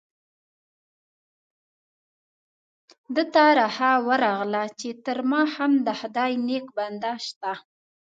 ده ته رخه ورغله چې تر ما هم د خدای نیک بنده شته.